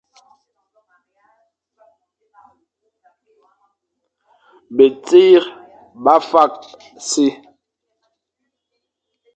Betsir ba fakh si.